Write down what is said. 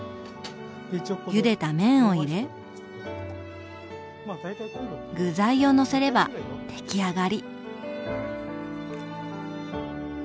ゆでた麺を入れ具材をのせれば出来上がり！